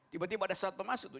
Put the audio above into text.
tiba tiba ada sesuatu masuk tuh